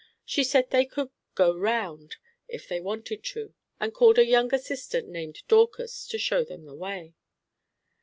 She said they could "go round" if they wanted to, and called a younger sister named Dorcas to show them the way.